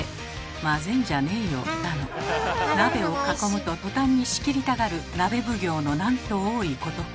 混ぜんじゃねえよ」だの鍋を囲むと途端に仕切りたがる鍋奉行のなんと多いことか。